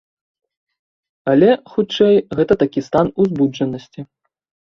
Але, хутчэй, гэта такі стан узбуджанасці.